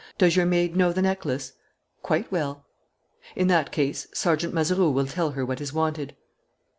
Does your maid know the necklace?" "Quite well." "In that case, Sergeant Mazeroux will tell her what is wanted."